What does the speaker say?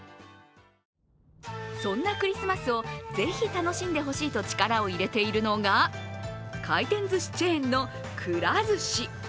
そんなクリスマスを、是非、楽しんでほしいと力を入れているのが回転ずしチェーンのくら寿司。